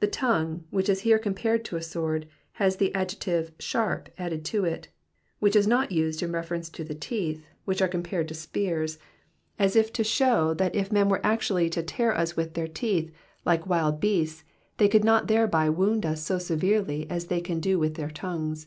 The tongue, which is here compared to a sword, has the adjective sharp added to it, which is not used in reference to the teeth, which are compared to spears, as if to show that if men were actually to tear us with their teeth, like wild beasts, they could not thereby wound us so severely as they can do with their tongues.